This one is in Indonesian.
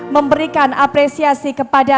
memberikan apresiasi kepada